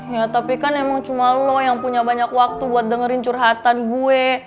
ya tapi kan emang cuma lo yang punya banyak waktu buat dengerin curhatan gue